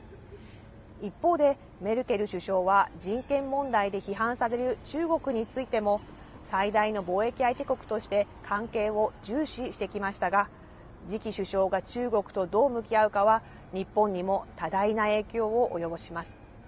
一方で、メルケル首相は人権問題で批判される中国についても、最大の貿易相手国として関係を重視してきましたが、次期首相が中国とどう向き合うかは、日本にも多大な影響を及ぼします。